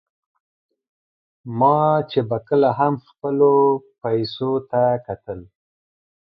ما چې به کله هم خپلو پیسو ته کتل.